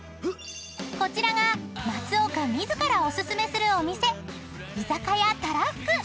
［こちらが松岡自らお薦めするお店居酒屋］